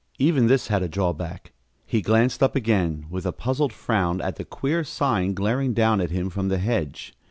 Even this had a drawback. He glanced up again, with a puzzled frown, at the queer sign glaring down at him from the hedge.